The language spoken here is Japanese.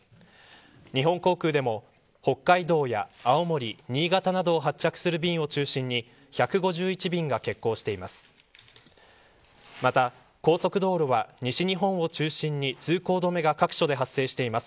日本航空でも北海道や青森、新潟などを発着する便を中心に１５１便が欠航しています。